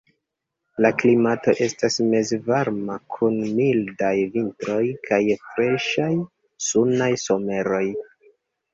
La klimato estas mezvarma kun mildaj vintroj kaj freŝaj, sunaj someroj.